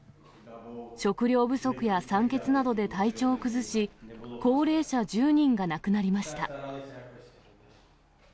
食料不足や酸欠などで体調を崩し、高齢者１０人が亡くなりました。